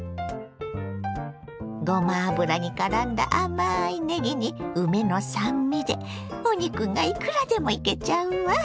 ごま油にからんだ甘いねぎに梅の酸味でお肉がいくらでもいけちゃうわ。